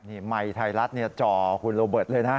นี่มัยไทรัศน์เนี่ยเจาะคุณโรเบิร์ตเลยนะ